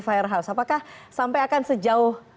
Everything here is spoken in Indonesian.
firehouse apakah sampai akan sejauh